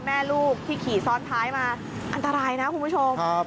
แม่ลูกที่ขี่ซ้อนท้ายมาอันตรายนะคุณผู้ชม